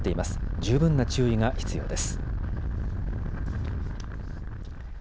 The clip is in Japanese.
十分な注意が必要です。